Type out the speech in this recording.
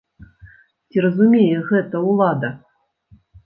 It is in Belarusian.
Ці разумее гэта ўлада?